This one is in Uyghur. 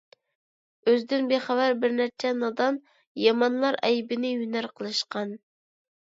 ئۆزىدىن بىخەۋەر بىرنەچچە نادان، يامانلار ئەيىبىنى ھۈنەر قىلىشقان.